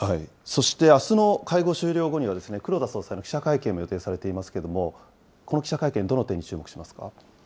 そしてあすの会合終了後には、黒田総裁の記者会見も予定されていますけれども、この記者会見、どんな点に注目していますか？